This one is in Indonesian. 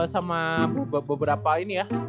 sama beberapa ini ya